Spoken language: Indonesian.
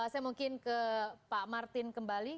saya mungkin ke pak martin kembali